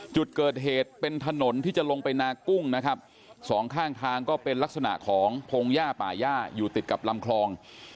จุดเกิดเหตุเป็นถนนที่จะลงไปนากุ้งนะครับสองข้างทางก็เป็นลักษณะของพงหญ้าป่าย่าอยู่ติดกับลำคลอง